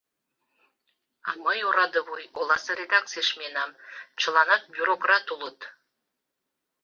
А мый ораде вуй, оласе редакцийыш миенам — чыланат бюрократ улыт!